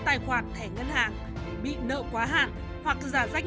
ủy huấn luyện lên giaoacco đây